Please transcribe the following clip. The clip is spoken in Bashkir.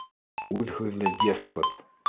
Үҙ һүҙле деспот!